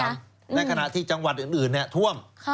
ในฐานะที่ฟังธุรกิจจังหวัดอื่นท่วม